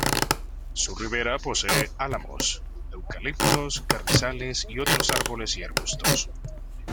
Su ribera posee álamos, eucaliptos, carrizales y otros árboles y arbustos.